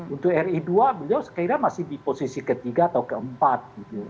untuk ri dua beliau sekiranya masih di posisi ketiga atau keempat gitu